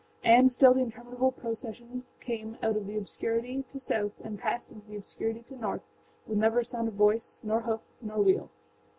And still the interminable procession came out of the obscurity to south and passed into the obscurity to north, with never a sound of voice, nor hoof, nor wheel.